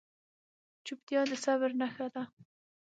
چپتیا، د صبر نښه ده.